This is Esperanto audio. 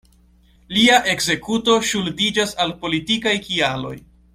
Lia ekzekuto ŝuldiĝas al politikaj kialoj.